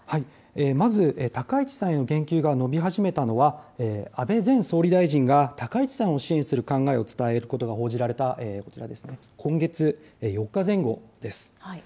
まず、高市さんへの言及が伸び始めたのは、安倍前総理大臣が高市さんを支援する考えを伝えることが報じられたこちらですね、今月４日前後です。